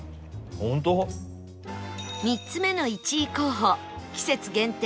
３つ目の１位候補季節限定